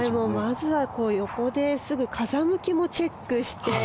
まずは横ですぐ風向きもチェックして。